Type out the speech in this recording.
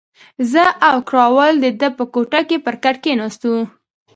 زه او کراول د ده په کوټه کې پر کټ کښېناستو.